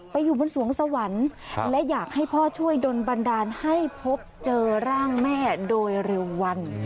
อยู่บนสวงสวรรค์และอยากให้พ่อช่วยดนบันดาลให้พบเจอร่างแม่โดยเร็ววัน